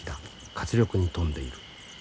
活力に富んでいる。